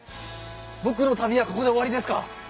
僕の旅はここで終わりですか？